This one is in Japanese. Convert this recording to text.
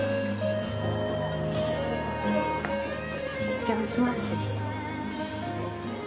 お邪魔します。